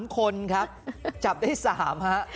๓คนครับจับได้๓ฮะ